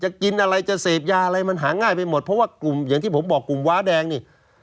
กินอะไรจะเสพยาอะไรมันหาง่ายไปหมดเพราะว่ากลุ่มอย่างที่ผมบอกกลุ่มว้าแดงนี่